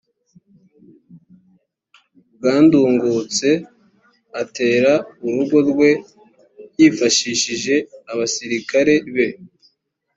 bwa ndungutse atera urugo rwe yifashishije abasirikare be